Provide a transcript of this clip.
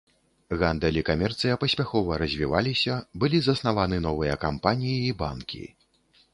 Гандаль і камерцыя паспяхова развіваліся, былі заснаваны новыя кампаніі і банкі.